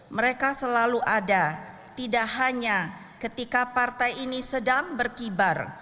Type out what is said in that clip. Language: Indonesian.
mereka selalu ada tidak hanya ketika partai ini sedang berkibar